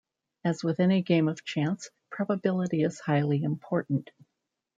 As with any game of chance, probability is highly important.